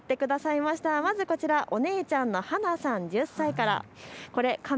まずこちら、お姉ちゃんの華菜さん１０歳から。